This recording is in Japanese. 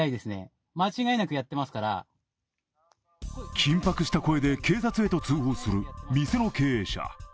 緊迫した声で警察へと通報する店の経営者。